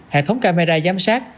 hệ thống camera giám sát